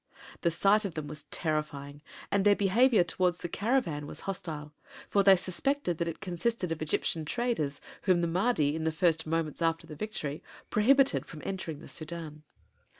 The sight of them was terrifying and their behavior toward the caravan was hostile, for they suspected that it consisted of Egyptian traders, whom the Mahdi, in the first moments after the victory, prohibited from entering the Sudân.